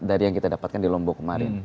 dari yang kita dapatkan di lombok kemarin